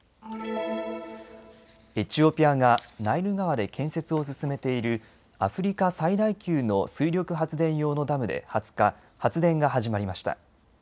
エチオピアがナイル川で建設を進めているアフリカ最大級の水力発電用のダムで２０日、発電が始まりました。